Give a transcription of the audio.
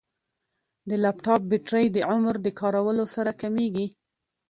د لپټاپ بیټرۍ عمر د کارولو سره کمېږي.